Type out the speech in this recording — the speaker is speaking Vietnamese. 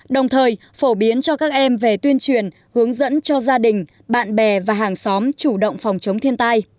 đồng thời phổ biến cho các em về tuyên truyền hướng dẫn cho gia đình bạn bè và hàng xóm chủ động phòng chống thiên tai